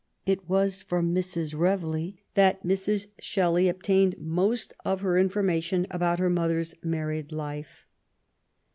'' It was from Mrs. Reveley that Mrs. Shelley obtained most of her information about her mother's married life.